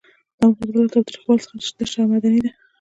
دا مبارزه له تاوتریخوالي څخه تشه او مدني ده.